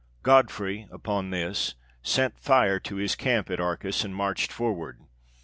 Godfrey, upon this, set fire to his camp at Archas, and marched forward.